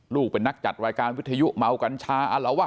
ลูกเป็นนักจัดรายการวิทยุเมากัญชาอารวะ